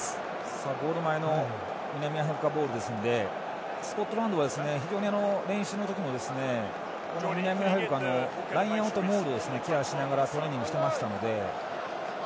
ゴール前の南アフリカボールですのでスコットランドが非常に練習の時に南アフリカのラインアウトモールをケアしながらトレーニングしてましたので。